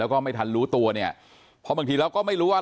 แล้วก็ไม่ทันรู้ตัวเนี่ยเพราะบางทีเราก็ไม่รู้ว่า